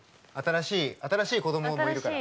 新しい子供もいるから。